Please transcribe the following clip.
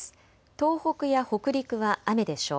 東北や北陸は雨でしょう。